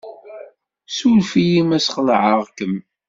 Suref-iyi ma ssxelεeɣ-kem.